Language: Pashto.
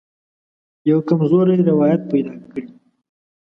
یوه کمزوری روایت پیدا کړي.